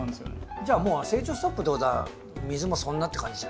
じゃあもう成長ストップってことは水もそんなって感じじゃないですか。